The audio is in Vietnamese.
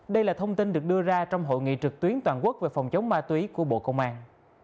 đây là thông tin được đưa ra trong hội nghị trực tuyến toàn quốc về phòng chống ma túy của bộ công an